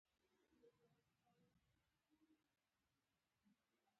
هر ځل چې دلته کومه پېښه کېږي، مسلمانان پاروي.